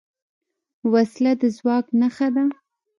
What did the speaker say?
وسله د ځواک نښه ده